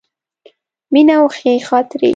مینه او ښې خاطرې.